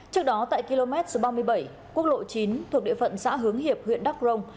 trước đó tại km ba mươi bảy quốc lộ chín thuộc địa phận xã hướng hiệp huyện đắk rồng